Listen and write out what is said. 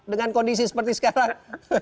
dengan kondisi seperti sekarang